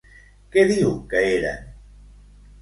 Què diu que eren?